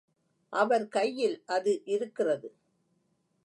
அவர் கையில் அது இருக்கிறது.